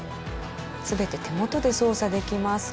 全て手元で操作できます。